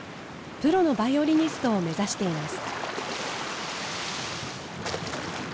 プロのバイオリニストを目指しています。